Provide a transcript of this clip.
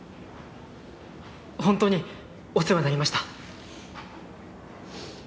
ホントにお世話になりました。